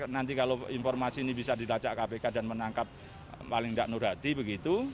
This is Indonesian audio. nanti kalau informasi ini bisa dilacak kpk dan menangkap paling tidak nurhati begitu